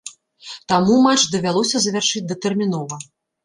Таму матч давялося завяршыць датэрмінова.